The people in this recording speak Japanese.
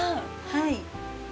はい。